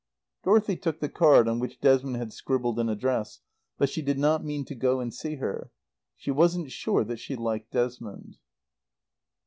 Dorothy took the card on which Desmond had scribbled an address. But she did not mean to go and see her. She wasn't sure that she liked Desmond.